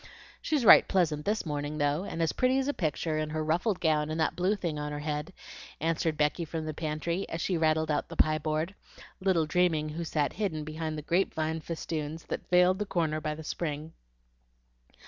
She's right pleasant this morning though, and as pretty as a picture in her ruffled gown and that blue thing on her head," answered Becky from the pantry, as she rattled out the pie board, little dreaming who sat hidden behind the grape vine festoons that veiled the corner by the spring.